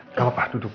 gak apa apa duduk